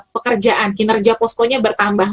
pekerjaan kinerja poskonya bertambah